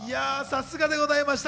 さすがです。